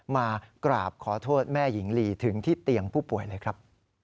มากราบขอโทษแม่หญิงลีถึงที่เตียงผู้ป่วยเลยครับ